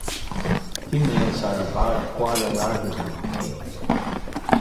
Females are about a quarter larger than males.